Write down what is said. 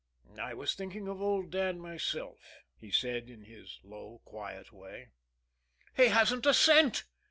"I was thinking of old Dan myself," he said, in his low, quiet way. "He hasn't a cent!"